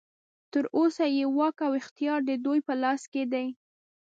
تر اوسه یې واک او اختیار ددوی په لاس کې دی.